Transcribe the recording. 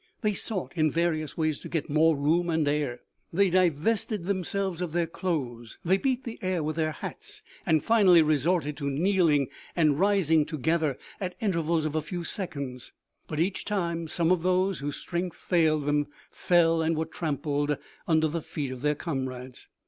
They sought in various ways to get more room and air ; they divested themselves of their clothes ; they beat the air with their hats, and finally resorted to kneeling and rising together at inter vals of a few seconds ; but each time some of those whose strength failed them fell and were trampled under the feet of their comrades.